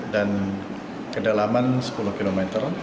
dan kedalaman sepuluh km